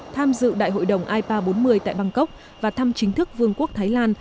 tham dự đại hội đồng ipa bốn mươi tại bangkok và thăm chính thức vương quốc thái lan